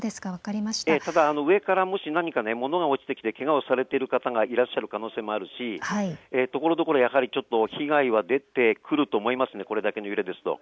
ただ上からもし何か物が落ちてけがをされている方がいらっしゃる可能性もあるしところどころ被害は出てくると思います、これだけの揺れだと。